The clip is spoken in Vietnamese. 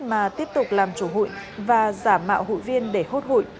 mà tiếp tục làm chủ hụi và giả mạo hụi viên để hốt hụi